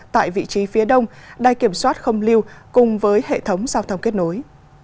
tại vị trí phía đông đai kiểm soát không lưu cùng với hệ thống giao thông kết nối